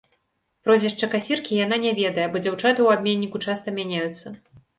Прозвішча касіркі яна не ведае, бо дзяўчаты ў абменніку часта мяняюцца.